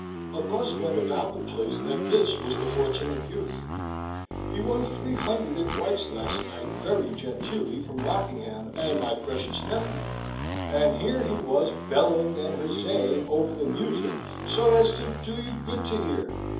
"A buzz went about the place that this was the fortunate youth. He won three hundred at White's last night very genteelly from Rockingham and my precious nephew, and here he was bellowing and huzzaying over the music so as to do you good to hear.